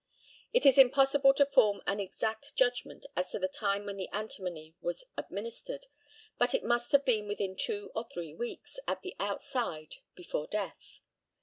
It is impossible to form an exact judgment as to the time when the antimony was administered, but it must have been within two or three weeks, at the outside before death.